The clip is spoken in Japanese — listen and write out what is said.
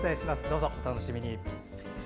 どうぞお楽しみに。